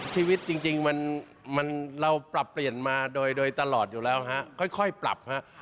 ชีวิตจริงมันเราปรับเปลี่ยนมาโดยตลอดอยู่แล้วฮะค่อยปรับฮะ